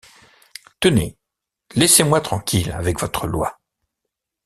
Tenez, laissez-moi tranquille avec votre loi.